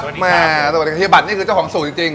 สวัสดีครับสวัสดีครับเฮียบัตรเนี้ยคือเจ้าของสูตรจริงจริง